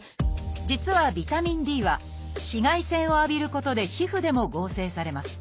実はビタミンＤは紫外線を浴びることで皮膚でも合成されます。